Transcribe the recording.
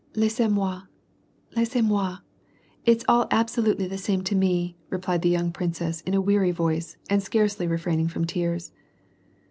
t " LaUsez moiy laissez mot; it's all absolutely the same to me," replied the young princess in a weary voice, and scarcely refraining from tears.